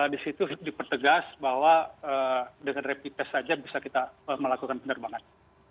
di situ dipertegas bahwa dengan rapid test saja bisa kita melakukan penerbangan